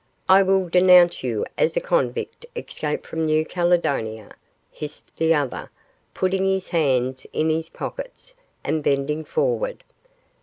'I will denounce you as a convict escaped from New Caledonia!' hissed the other, putting his hands in his pockets, and bending forward.